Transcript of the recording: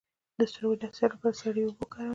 د سترګو د حساسیت لپاره سړې اوبه وکاروئ